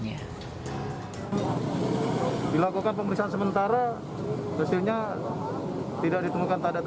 menggiri ceritanya dilakukan pemeriksaan sementara hasilnya tidak ditemukan tanda